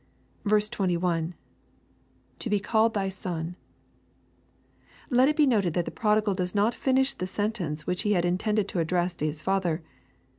21 .— [To be called thy son,] Let it be noted that the prodigal does not finish the sentence which he had intended to address to his father.